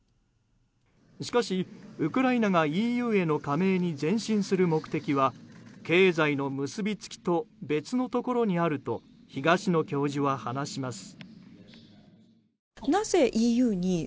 しかし、ウクライナがＥＵへの加盟に前進する目的は経済の結びつきと別のところにあると東野教授は話します。